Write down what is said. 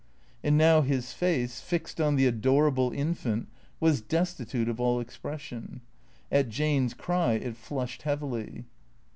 And now his face, fixed on the adorable infant, was destitute of all expression. At Jane's cry it flushed heavily.